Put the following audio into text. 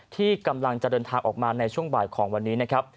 ที่กำลังจะเดินทางออกมาในช่วงบ่ายของวันนี้นะครับ